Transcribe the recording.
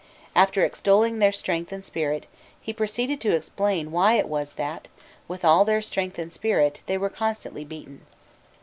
After extolling their strength and spirit, he proceeded to explain why it was that, with all their strength and spirit, they were constantly beaten.